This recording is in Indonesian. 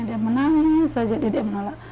dia menangis saja dia menolak